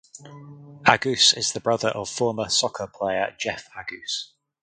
Agoos is the brother of former soccer player Jeff Agoos.